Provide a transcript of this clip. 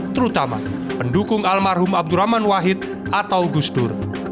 terutama pendukung almarhum abdurrahman wahid atau gus dur